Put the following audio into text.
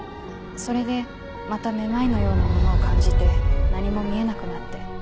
それでまた目眩のようなものを感じて何も見えなくなって。